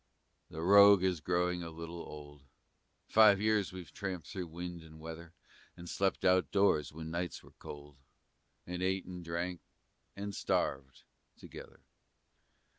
The rogue is growing a little old; Five years we've tramped through wind and weather, And slept out doors when nights were cold, And ate and drank and starved together.